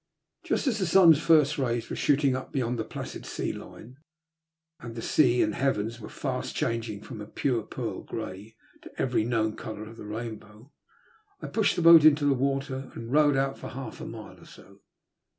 Just as the sun's first rays were shooting up beyond the placid sea line, and the sea and heavens were fast changing from a pure pearl grey to every known colour of the rainboWf I pushed [the boat into the water, and rowed out for half a mile or so.